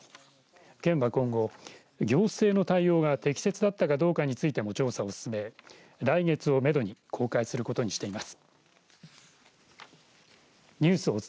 県は今後行政の対応が適切だったかどうかについても調査を進め、来月をめどに公開することにしています。